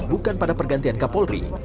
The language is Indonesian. bukan pada pergantian kapolri